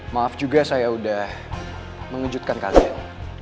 maaf juga saya sudah mengejutkan kalian